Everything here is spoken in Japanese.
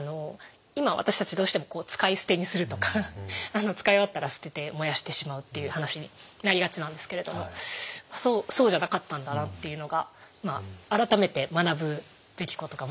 今私たちどうしても使い捨てにするとか使い終わったら捨てて燃やしてしまうっていう話になりがちなんですけれどもそうじゃなかったんだなっていうのが改めて学ぶべきことかもしれないですね。